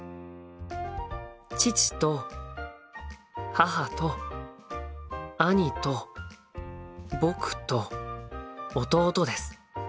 父と母と兄と僕と弟です。